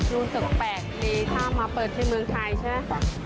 รู้สึกแปลกดีถ้ามาเปิดที่เมืองไทยใช่ไหม